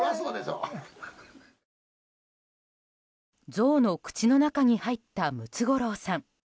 ゾウの口の中に入ったムツゴロウさん。